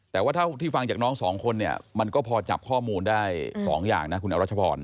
แต่ว่าเท่าที่ฟังจากน้องสองคนเนี่ยมันก็พอจับข้อมูลได้๒อย่างนะคุณอรัชพร